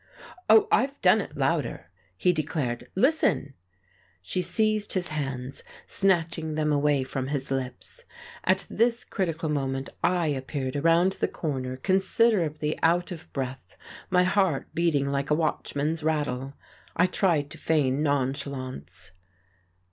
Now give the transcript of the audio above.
"Oh, I've done it louder," he declared, "Listen!" She seized his hands, snatching them away from his lips. At this critical moment I appeared around the corner considerably out of breath, my heart beating like a watchman's rattle. I tried to feign nonchalance.